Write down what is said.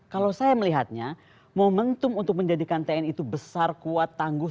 kalau saya melihatnya momentum untuk menjadikan tni itu besar kuat tangguh